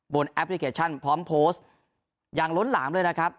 แอปพลิเคชันพร้อมโพสต์อย่างล้นหลามเลยนะครับ